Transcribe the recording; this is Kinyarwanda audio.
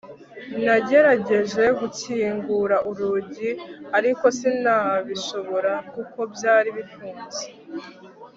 Nagerageje gukingura urugi ariko sinabishobora kuko byari bifunze